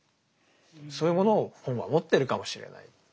そういうものを本は持ってるかもしれない。